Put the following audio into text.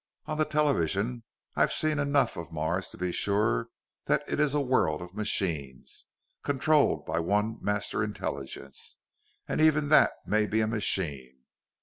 On the television, I've seen enough of Mars to be sure that it is a world of machines, controlled by one Master Intelligence. And even that may be a machine.